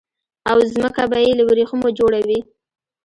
او ځمکه به يي له وريښمو جوړه وي